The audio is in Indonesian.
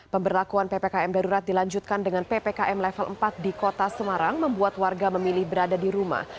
pemberlakuan ppkm darurat dilanjutkan dengan ppkm level empat di kota semarang membuat warga memilih berada di rumah